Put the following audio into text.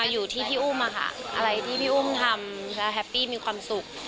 อยู่ที่พี่อุ้มค่ะอะไรที่พี่อุ้มทำแล้วแฮปปี้มีความสุข